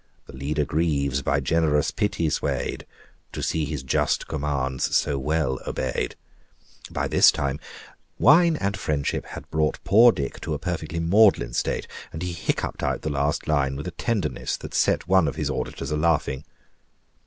The leader grieves, by generous pity swayed, To see his just commands so well obeyed;" by this time wine and friendship had brought poor Dick to a perfectly maudlin state, and he hiccupped out the last line with a tenderness that set one of his auditors a laughing.